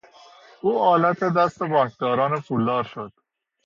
او آلت دست بانکداران پولدار شد.